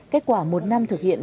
kết quả một năm thực hiện